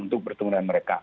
untuk bertemu dengan mereka